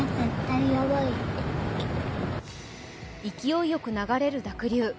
勢いよく流れる濁流。